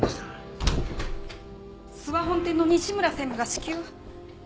諏訪本店の西村専務が至急。